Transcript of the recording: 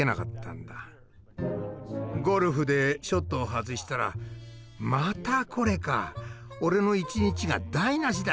ゴルフでショットを外したら「またこれか。俺の一日が台なしだ！